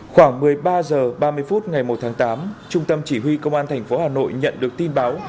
khoảng một mươi ba h ba mươi phút ngày một tháng tám trung tâm chỉ huy công an thành phố hà nội nhận được tin báo